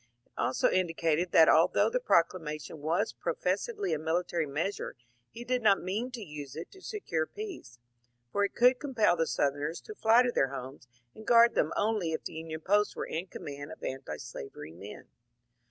It also indicated that although the proclamation was professedly a military measure he did not mean to use it to secure peace ; for it could compel the Southerners to fly to their homes and guard them only if the Union posts were in command of antislavery men.